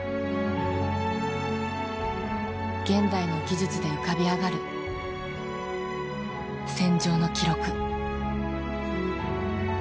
現代の技術で浮かび上がる戦場の記録。